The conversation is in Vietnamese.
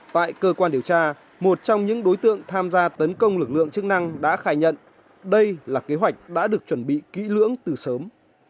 tại cơ quan điều tra một trong những đối tượng tham gia tấn công lực lượng chức năng đã khai nhận đây là kế hoạch đã được chuẩn bị kỹ lưỡng từ sớm